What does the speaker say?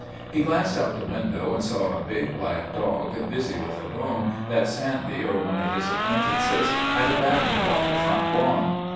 He glanced out the window and saw a big black dog busy with a bone that Sandy or one of his acquaintances had abandoned on the front lawn.